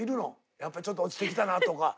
やっぱりちょっと落ちてきたなとか。